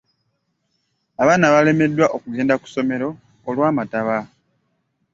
Abaana baalemereddwa okugenda ku ssomero olw'amataba.